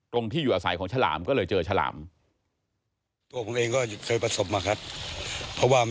ตรงที่อยู่อาศัยของชาลามก็เลยเจอชาลาม